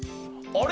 あれ？